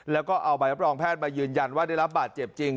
แล้วก็เอาใบรับรองแพทย์มายืนยันว่าได้รับบาดเจ็บจริง